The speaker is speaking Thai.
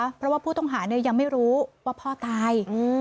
เพราะว่าผู้ต้องหาเนี่ยยังไม่รู้ว่าพ่อตาย